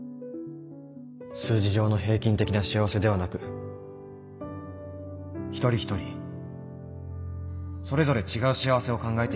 数字上の平均的な幸せではなく一人一人それぞれ違う幸せを考えていきたいと思います。